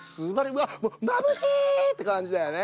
もう「まぶしい！」ってかんじだよね。